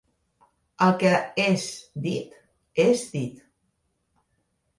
El que és dit, és dit.